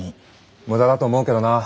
無駄だと思うけどな。